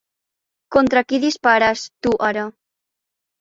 Contra qui dispares, tu ara?